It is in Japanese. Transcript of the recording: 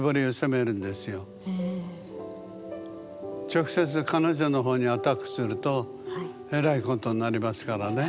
直接彼女の方にアタックするとえらいことになりますからね。